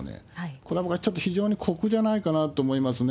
これは僕はちょっと非常に酷じゃないかなと思いますね。